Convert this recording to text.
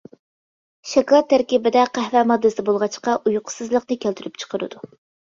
شاكىلات تەركىبىدە قەھۋە ماددىسى بولغاچقا، ئۇيقۇسىزلىقنى كەلتۈرۈپ چىقىرىدۇ.